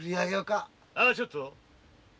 ああちょっと。